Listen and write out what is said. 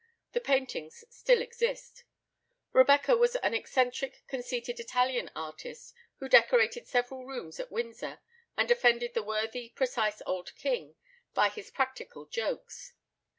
The paintings still exist. Rebecca was an eccentric, conceited Italian artist, who decorated several rooms at Windsor, and offended the worthy precise old king by his practical jokes.